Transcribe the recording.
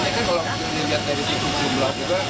ini kan kalau dilihat dari sisi jumlah juga